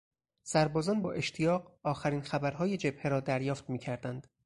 سربازان با اشتیاق آخرین خبرهای جبهه را دریافت میکردند.